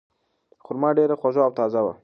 خورما ډیره خوږه او تازه وه.